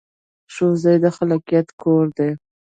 ښوونځی د خلاقیت کور دی